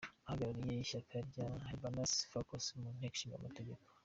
Ahagarariye Ishyaka rya Lebanese Forces mu Nteko Ishinga Amategeko.